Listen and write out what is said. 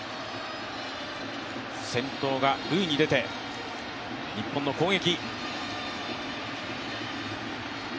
先頭が塁に出て日本の攻撃。